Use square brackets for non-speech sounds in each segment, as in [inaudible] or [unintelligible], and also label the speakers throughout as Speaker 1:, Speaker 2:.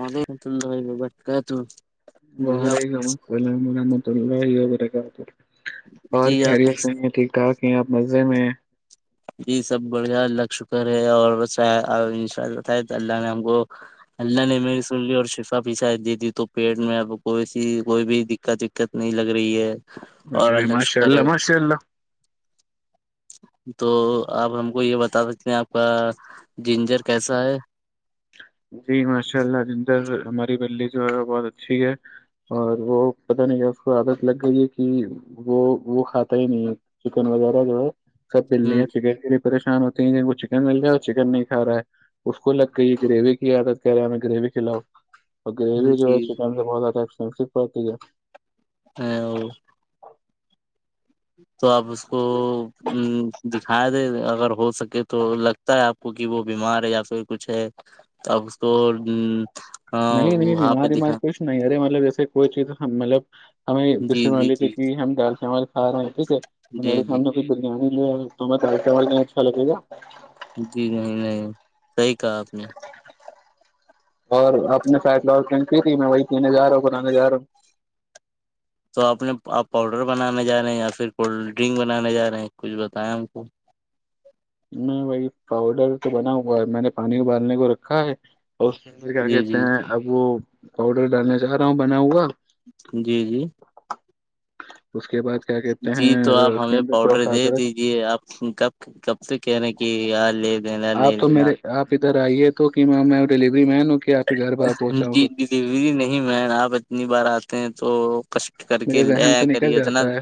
Speaker 1: مد پچند ہو بی کیا ت
Speaker 2: وعلیکم السلام رحمۃ تر کاال پ اور
Speaker 1: جی
Speaker 2: کہہری
Speaker 1: آپ
Speaker 2: ہے سنے ٹھیک ٹھاک آپ مزے میں
Speaker 1: یہی سب بڑھیا اللہ کا شکر ہے اور ب اناء ال بتائے تو اللہ نے ہم کو اللہ نے میری سنلی اور شفا پیچھا شید دیدی تو پیٹ میں اب کوئی سی کوئی بھی دقت وت نہیں لگی رہی ہے
Speaker 2: ہیں
Speaker 1: اور
Speaker 2: ارے
Speaker 1: اللہ
Speaker 2: ماشاء
Speaker 1: شکر ہے
Speaker 2: ماشاء اللہ
Speaker 1: السلام علیکم محترم بھائی جان آپ کو بھی مبارک ہو تو آپ ہم کو یہ بتا سکتے ہیں آپ کا جنجر کیسا ہے
Speaker 2: جی ماشاء اللہ ردر ہماری بلی جو ہے وہ بہت اچھی ہے اور وہ پتہ نہیں کیا اس کو عادت لگ گئی ہے کہ وہ وہ کھاتا ہی نہیں ہے چکن وغیرہ جو ہے سب بلیاں
Speaker 1: ہ
Speaker 2: چ پریشان ہوتی ہیں ج کو چکن مل جائے اور چکن نہیں کھ رہا ہے اس کو لگ گئی گریوی کیا تھا کہہ رہے ہمیں گریوی کھلاؤ اورے جو ہے
Speaker 1: جی
Speaker 2: سے بہت اد شمس پک کیا
Speaker 1: ہ
Speaker 2: السلام علیکم محترم بھائی جان آپ کو بھی مبارک
Speaker 1: تو آپ اس کو دکھا دیں اگر ہو سکے تو لگتا ہے آپ کو کہ وہ بیمار ہے یا پھر کچھ ہے تو آپ اس کو ہاں
Speaker 2: نہیں نہیں
Speaker 1: وہاں پہ
Speaker 2: بیمار ومار
Speaker 1: دکھا
Speaker 2: کچھ نہیں ارے مطلب جیسے کوئی چیز مطلب ہمیں جس
Speaker 1: جی
Speaker 2: سے مان
Speaker 1: جی
Speaker 2: لیج تھے
Speaker 1: جی
Speaker 2: کہ ہم دال چاول کھا رہے ہیں ٹھیک ہے
Speaker 1: جی
Speaker 2: میرے
Speaker 1: جی
Speaker 2: سامنے کوئی بریانی تمہیں دال چاول نہیں اچھا لگے گا
Speaker 1: جی نہیں نہیں صحیح کہا آپ نے
Speaker 2: اور اپ نے فائٹلہن کی تھی میں وہی پینے جا رہا ہوں بنانے جا رہا ہوں
Speaker 1: تو آپ نے آپ پاؤڈر بنانے جا رہے ہیں یا پھر کولڈ ڈرنک بنانے جا رہے ہیں کچھ بتیں ہم کو
Speaker 2: میں بی پاؤڈر تو بنا ہو گا میں نے پانی کوبالنے کو رکھا ہے اور اس کیا
Speaker 1: جی
Speaker 2: کہتے
Speaker 1: جی
Speaker 2: ہیں اب وہ پاؤڈر ڈالنا چاہ رہا ہوں بنا ہوا
Speaker 1: جی جی
Speaker 2: اسچ
Speaker 1: جی تو آپ ہمیں پاؤڈر
Speaker 2: سا
Speaker 1: دے
Speaker 2: ادرک
Speaker 1: دیجے آپ کب کب سے کہہ رہے ہیں کہ یار لے دینا لے
Speaker 2: آپ تو
Speaker 1: لینا
Speaker 2: میرے آپ ادھر آئیے تو کہ م ڈلیوری مین کہ آپ کے گھر باہر
Speaker 1: جی
Speaker 2: پہنچاؤں
Speaker 1: ڈلیوری نہیں م آپ اتنی بار آتے ت ہیں تو کشٹ کر کے
Speaker 2: میرے ذہن
Speaker 1: لےیا
Speaker 2: سے
Speaker 1: کری
Speaker 2: نکل
Speaker 1: اتنا
Speaker 2: جاتا ہے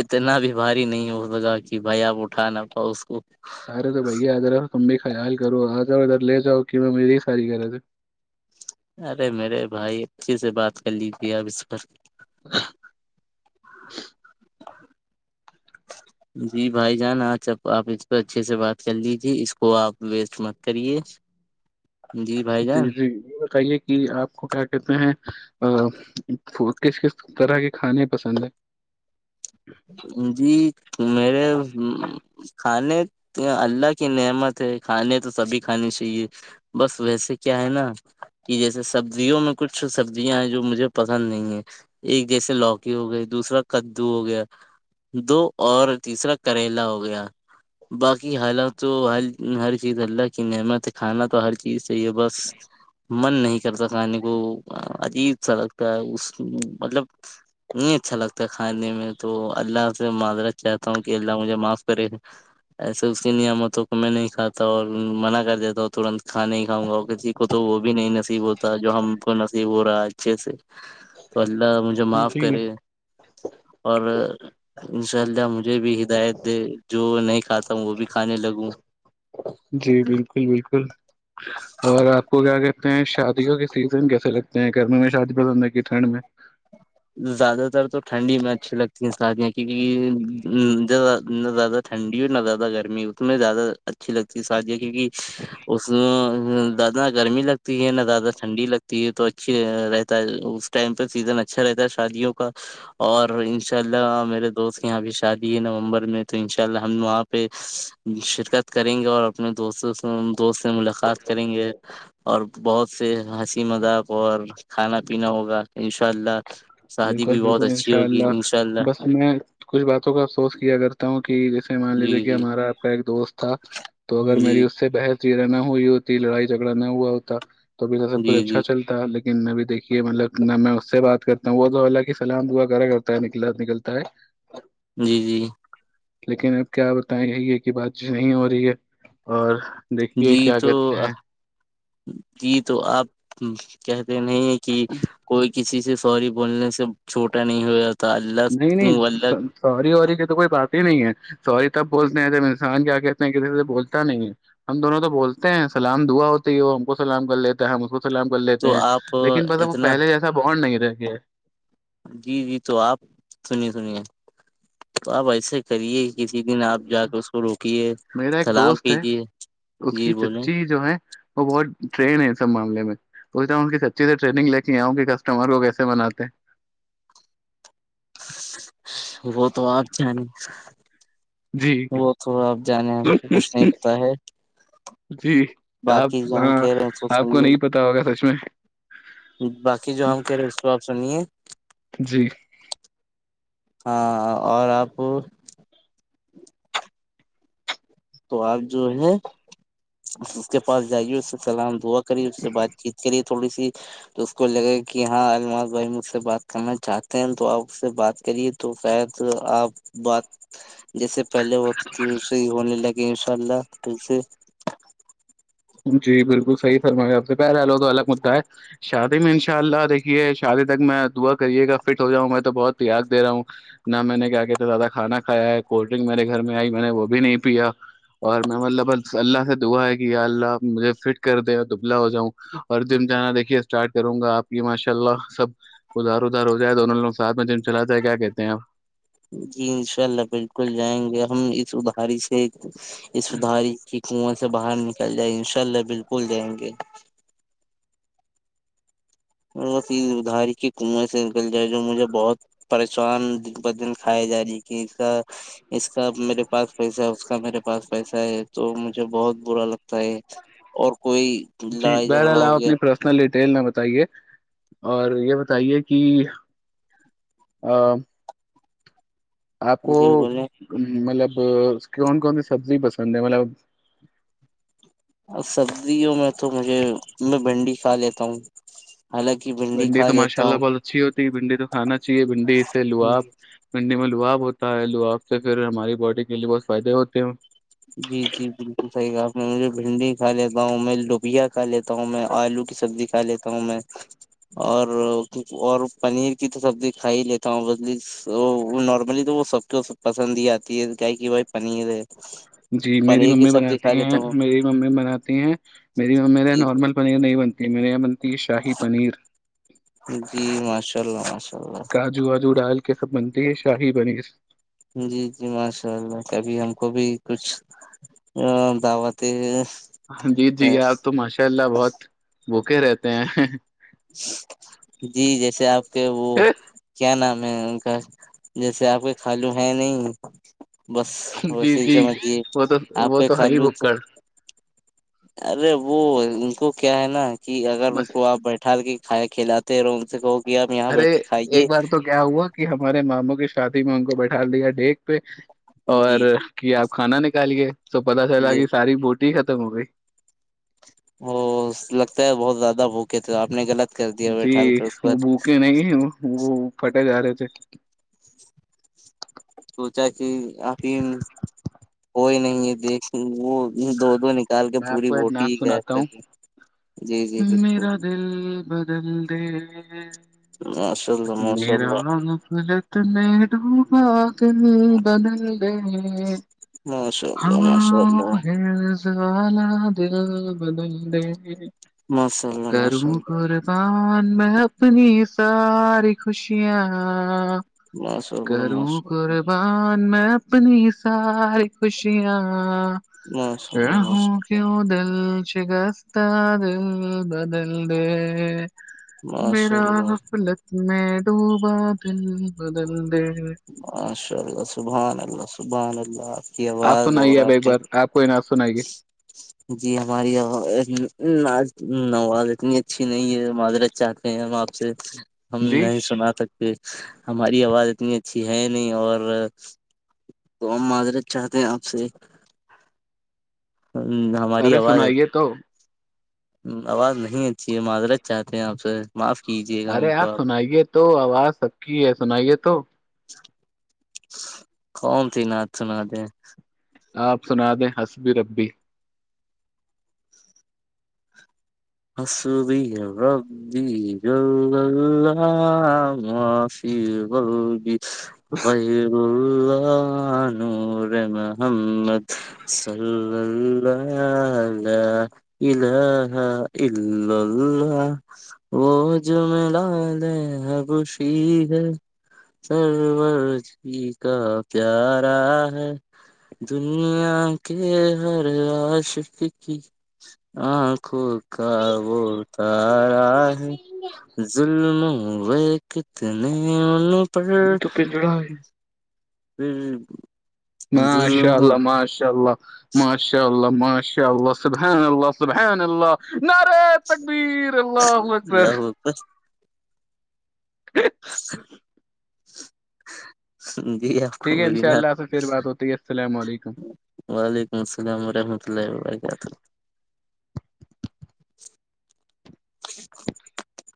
Speaker 1: اتنا بھی بھاری نہیں ہوتا وجہ کی بھائی آپ اٹھا نہ پاؤ اس کو
Speaker 2: ار تو بگیادرا ت خیال کرو آ جاؤ اد لے جاؤ کہ میری ساری کر تھ
Speaker 1: ارے میرے بھائی اچھے سے بات کر لیج تے اب اس
Speaker 2: ا
Speaker 1: جی بھائی جان آج آپ اس پہ اچھے سے بات کر لیجے اس کو آپ ویستٹ مت کریے بھائی
Speaker 2: جی
Speaker 1: جان
Speaker 2: جی بتائیے کہ آپ کو کیا کہتے ہیں ا کس کس طرح کے کھانے پسند ہیں
Speaker 1: جی میرے کھانے اللہ کی نعمت ہے کھانے تو سبھی کھانی چاہیے بس ویسے کیا ہے نا کہ جیسے سبزیوں میں کچھ سبزیاں ہیں جو مجھے پسند نہیں ہیں ایک جیسے لوکی ہو گئی دوسرا کدو ہو گیا [unintelligible] دو اور تیسرا کریلا ہو گیا باقی حالات تو ہر ہر چیز اللہ کی نعمت کھانا تو ہر چیز صحی ہے بس [unintelligible] من نہیں کرتا کھانے کو عجیب سا لگتا ہے اس مطلب نہیں اچھا لگتا ہے کھانے میں [unintelligible] تو اللہ سے معذرت چاہتا ہوں کہ اللہ مجھے معاف کرے ایسے اس کی نعمتوں کو میں نہیں کھاتا اور منع کر دیتا ہوں ترنت [unintelligible] کھانا ہی کھاوں گا کسی کو تو وہ بھی نہیں نصیب ہوتا جو ہم کو نصیب ہو رہا ہے اچھے سے تو [unintelligible] اللہ مجھے
Speaker 2: ہیں
Speaker 1: معاف
Speaker 2: جی
Speaker 1: کرے اور انشاء اللہ مجھ [unintelligible] ہوں وہ بھی کھانے لگوں
Speaker 2: جی بالکل بالکل اور آپ کو کیا کہتے ہیں شادیوں کے سیزن کیس [unintelligible] اے لگتے ہیں گرمی میں شادی پسند ہے کی ٹھنڈ میں [unintelligible]
Speaker 1: زیادہ تر تو ٹھنڈی میں اچھی لگتی ہیں شادیاں کیونکہ نہ زیادہ ٹھنڈی ہو نہ زیادہ گرمی اس میں زیادہ اچھی لگتی ہے شادیا کی کیونکہ اس [unintelligible] زیادہ نہ گرمی لگتی ہے نہ زیادہ ٹھنڈی لگتی ہے تو اچھی رہتا ہے اس ٹائم پہ سیزن اچا [unintelligible] اچھا رہتا ہے شادیوں کا اور ان شاء اللہ میرے دوست یہاں بھی شادی ہے نومبر میں تو ان شاء اللہ ہم وہاں پہ شرکت کریں گے اور اپنے دوستوں سے دوست سے ملاقات کریں گے اور [unintelligible] بہت سے ہنسی مذاق اور کھانا پینا ہوگا ان شاء اللہ شادی
Speaker 2: بالکل
Speaker 1: بھی بہت
Speaker 2: بالکل
Speaker 1: اچھی
Speaker 2: انشاء
Speaker 1: ہوگی
Speaker 2: اللہ
Speaker 1: انشاء
Speaker 2: بس میں کچھ باتوں کو افسوس کیا کرتا ہوں کہ جیسے مان لیجیے کہ
Speaker 1: جی
Speaker 2: ہمارا آپ کا ایک دوست تھا تو اگر میری
Speaker 1: جی
Speaker 2: اس سے بحث [unintelligible] سیرا نہ ہوئی ہوتی لڑائی جھگڑا نہ ہوا ہوتا [unintelligible] توبھی تو سب کچھ
Speaker 1: جی جی
Speaker 2: اچھا چلتا ہےیکن لیکنبھی دیکھیے مطلب نہ میں اس سے بات کر [unintelligible] وہ تو الاللہ کی سلام دعا کرا کرتا ہے نکلا نکلتا ہے [unintelligible]
Speaker 1: جی جی [unintelligible]
Speaker 2: لیکن اب کیا بتائیں یہ یہ کہ بات چی نہیں ہو رہی ہے اور دیکھیے
Speaker 1: جی
Speaker 2: کیا
Speaker 1: تو
Speaker 2: کہتے ہیں
Speaker 1: جی تو آپ کہتے نہیں [unintelligible] کہ کوئی [unintelligible] کسی سے سوری بولنے سے چھوٹا نہیں ہو [unintelligible]
Speaker 2: نہیں
Speaker 1: اللہ
Speaker 2: نہیں
Speaker 1: اللہ
Speaker 2: ساری وی کی تو کوئی بات ہی نہیں ہے سوری تب بولتے ہیں جب انسان کیا کہتے ہیں کسی سے بولتا نہیں ہے ہم دونوں تو بولتے ہیں سلام دعا ہوتی ہے وہ ہم کو سلام کر لیتا ہے ہم اس کو سلام کر لیتے
Speaker 1: تو
Speaker 2: ہیں
Speaker 1: آپ
Speaker 2: لیکن بسب وہ
Speaker 1: اتنا
Speaker 2: پہلے جیسا بونڈ نہیں رہ گ [unintelligible]
Speaker 1: جی جی تو آپ سنیے سنیے تو آپ ایسے کریے کسی دن آپ جا کے اس کو روکیے
Speaker 2: میرا ایک
Speaker 1: سلام
Speaker 2: دوست ہے
Speaker 1: کیجیے
Speaker 2: اس
Speaker 1: جی
Speaker 2: کی
Speaker 1: بولیں
Speaker 2: چچی جو ہے وہ بہت ٹرین ہے سب معاملے میں کی سچی سے ٹریگ لے کے آؤں کہ کسٹمر کو کیسے بناتے
Speaker 1: وہ تو آپ ج ن
Speaker 2: جی
Speaker 1: ہم
Speaker 2: ج
Speaker 1: کو کچھ نہیں پتا ہے
Speaker 2: جی
Speaker 1: باقی
Speaker 2: آپ
Speaker 1: جو ہم کہہ
Speaker 2: ہاں
Speaker 1: رہے ہیں اس
Speaker 2: آپ کو نہیں
Speaker 1: سنیے
Speaker 2: پتا ہوگا سچ میں
Speaker 1: باقی جو ہم کہہ رہے اس کو آپ سنیے
Speaker 2: جی
Speaker 1: ہاں اور آپ تو آپ جو ہے اس کے پاس جائیے اس سے سلام دوا کری اس سے بات چیت کری تھوڑی سی اس کو لگے کہ ہاں المار بھائی مجھ سے بات کرنا چاہتے ہیں تو آپ اس سے بات کریے تو شاید آپ بات جیسے پہلے ہوتی تھی اسے ہی ہونے لگے انشاء اللہ تل سے
Speaker 2: جی بالکل صحیح فرمایا آپ پہرے لو تو الگ مدا ہے شادی میں انشاء اللہ دیکھیے شادی تک میں دعا کریے گا فٹ ہو جاؤں میں تو بہت تیاگ دے رہا ہوں نہ میں نے کیا کہتے زیادہ کھانا کھایا ہے کولڈ ڈرنک میرے گھر میں آئی میں نے وہ بھی نہیں پیا اور میں مب بس اللہ سے دعا ہے کہ ال مجھے فٹ کر دیں دبلا ہو جاؤں اور جم جانا دیکھیے اسٹارٹ کروں گا آپ کی ماشاء اللہ سب ادھار ادار ہو جائے دونوں لوگ ساتھ میں جم چلاتے ہے کیا کہتے ہیں آپ
Speaker 1: جی انشاء اللہ بالکل جائیں گے ہم سداری سے یہ سدھاری کی کنواں سے باہر نکل جائے گ ان شاء اللہ بالکل جائیں گے ادھاری کی کنویں سے نکل جائے جو مجھے بہت پریشان دن بہدن کھائے جا رہی کہ اس کا اس کا میرے پاس پیسہ ہے اس کا میرے پاس پیسہ ہے تو مجھے بہت برا لگ تا ہے اور کوئی لڑائی جھگڑا ہو گیا
Speaker 2: تل نہ بتائیے اور یہ بتائیے کہ آپ کو
Speaker 1: جی بولے
Speaker 2: مطلب ا کون کون سی سبزی پسند ہے مطلب
Speaker 1: سبزیوں میں تو مجھے میں بنڈی کھا لیتا ہوں حالانکہ
Speaker 2: بھنڈی
Speaker 1: کھا
Speaker 2: تو ماشاء
Speaker 1: لیتا
Speaker 2: اللہ
Speaker 1: ہوں
Speaker 2: بہت اچھی ہوتی ہے بھنڈی تو کھانا چاہیے بھنڈی سے لااب بھنڈی میں لااب ہوتا ہے لحااب سے پھر ہماری باڈی کے لیے بہت فائدے ہوتے ہیں
Speaker 1: میں مجھے بھنڈی کھا لیتا ہوں میں لبیا کھا لیتا ہوں میں آلو کی سبزی کھا لیتا ہوں میں اور اور پنیر کی تو سبزی کھا ہی لیتا ہوں بس نارملی تو وہ سب کو پسند ہی آتی ہے گ کہ بھائی پنیر ہے
Speaker 2: جی میری
Speaker 1: پنیر کی
Speaker 2: ممی
Speaker 1: سبزی
Speaker 2: بناتی
Speaker 1: کھا
Speaker 2: ہیں
Speaker 1: لیتا ہوں
Speaker 2: میری ممی بناتی ہیں میری ممی میر
Speaker 1: جی
Speaker 2: نارمل پنیر نہیں بنتی میرے یہاں ت شاہی پنیر
Speaker 1: جی ماشاء اللہ ماشاءلہ
Speaker 2: کاجو وجو ڈال سب بنتی ہے شاہی بنی
Speaker 1: جی جی ماشاء اللہ کبھی ہم کو بھی کچھ دعوتیں
Speaker 2: ہاں جی جی آپ تو ماشاء اللہ بہت بوکے رہتے ہیں
Speaker 1: جی جیسے آپ وہ کیا نام میں ان کا جیسے آپ کے کھالو ہے نہیں بس بس
Speaker 2: جی
Speaker 1: یہ
Speaker 2: جی
Speaker 1: سمجھیے
Speaker 2: وہ تو وہ
Speaker 1: آپے خ
Speaker 2: ہے ہی
Speaker 1: لو تو
Speaker 2: بھکڑ
Speaker 1: ارے ا وہو ان کو کیا ہے نا کہ اگر ان
Speaker 2: بس
Speaker 1: کو آپ بیٹھا کے کایا کھیلا
Speaker 2: ارے ایک بار تو کیا ہوا کہ ہمارے ماموں کے شادی میں ان کو بیٹھال دیا ڈیک پہ اور
Speaker 1: جی جی
Speaker 2: کیا کھانا نکالیے تو پتا چا
Speaker 1: جی
Speaker 2: لگی ساری ب ٹی ختم ہو گئی
Speaker 1: ا لگتا ہے بہت زیادہ بھوکے تھے آپ نے غلط کر دیا
Speaker 2: جی
Speaker 1: بیٹھال کر اس پر
Speaker 2: وہ بھوکے نہیں وہ پھٹے جا رہے تھے
Speaker 1: سچ آی کوئی نہیں دیک وہ دو دو نے
Speaker 2: میں آپ کو ایک نام سناتا ہوں
Speaker 1: جی جی بالکل
Speaker 2: میرا دل بدل دے
Speaker 1: ماشاء اللہ ماشاء
Speaker 2: میرا
Speaker 1: اللہ
Speaker 2: غفلت میں ڈوبا دل بدل دے
Speaker 1: ماشاء اللہ
Speaker 2: ہوا
Speaker 1: ماشاء
Speaker 2: و
Speaker 1: اللہ
Speaker 2: حرص والا دل بدل دے
Speaker 1: ماشاء اللہ ماشاء
Speaker 2: کروں
Speaker 1: اللہ
Speaker 2: قربان میں اپنی ساری خوشیاں ہاں
Speaker 1: ماشاء اللہ
Speaker 2: کروں
Speaker 1: ماشاء
Speaker 2: قربان میں اپنی ساری خوشیاں
Speaker 1: اللہ ماشاء
Speaker 2: ر
Speaker 1: اللہ
Speaker 2: ہوں
Speaker 1: ماشاء اللہ
Speaker 2: کیوں دل شکستہ دل بدل دے میرا
Speaker 1: ماشاءاللہ
Speaker 2: غفلت میں ڈوبا دل بدل دے
Speaker 1: ا سبان اللہ سبحان اللہ کی
Speaker 2: آپ
Speaker 1: آواز اور
Speaker 2: سنائیے اب
Speaker 1: آپ
Speaker 2: ایک
Speaker 1: کی
Speaker 2: بار آپ کو ن
Speaker 1: جی ہماری ہ نو آگ اتنی اچھی نہیں ہے معذرت چاہتے ہیں ہم آپ سے ہم
Speaker 2: جی
Speaker 1: نہیں سنا سکتے ہماری آواز اتنی اچھی ہے نہیں اور تو ہم معذرت چاہتے ہیں آپ سے ہ ہماری
Speaker 2: ارے
Speaker 1: آواز ہے
Speaker 2: سنائیے تو
Speaker 1: آواز نہیں اچھی ہے معذرت چاہتے ہیں آپ سے معاف کیجیے گا ہم
Speaker 2: ارے
Speaker 1: کو
Speaker 2: آپ سنائیے تو آواز سبکی ہے سنائیے تو
Speaker 1: کون ت ند سوں نہد ہے
Speaker 2: آپ سنا دیں ہسب ربی [inaudible]
Speaker 1: ہسور ردی گ گلہ معفی بل گی وہ [unintelligible] آانوور محمد س ل الاح اللہ وہ جم لالے ہے خوشی ہے سر جی کا پیارا ہے دنیا کے ہر رش کی آنکھوں کا وہ اتارا ہے ظلم و [inaudible] کتنے پر
Speaker 2: یہ تو پنجڑا ہے
Speaker 1: [unintelligible] ہ ہ [inaudible]
Speaker 2: ماشاء اللہ ماشاء اللہ ماشاء اللہ ماشلہ اا اللہ سے ب اللہ سے بن اللہ نہ رے تکبیرلہ ہوگ در
Speaker 1: اللہ اکبر۔
Speaker 2: رخخخ [unintelligible]
Speaker 1: جی آپ کو
Speaker 2: ٹھیک ہے
Speaker 1: بڑی
Speaker 2: انشاء
Speaker 1: لات۔
Speaker 2: اللہ سے پھر بات ہوتی ہے السلام علیکم
Speaker 1: م سے گام ہ [unintelligible] بھائی کیا تھا ٹھ [unintelligible]